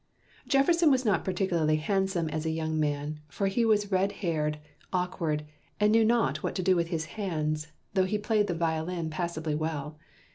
Jefferson was not particularly handsome as a young man, for he was red haired, awkward, and knew not what to do with his hands, though he played the violin passably well.